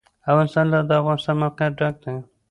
افغانستان له د افغانستان د موقعیت ډک دی.